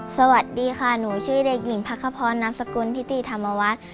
สวัสดีค่ะหนูชื่อเด็กหญิงพักขพรนามสกุลพิธีธรรมวัฒน์